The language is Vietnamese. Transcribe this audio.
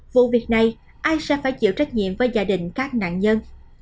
vụ việc này ai sẽ phải chịu trách nhiệm với gia đình các nạn nhân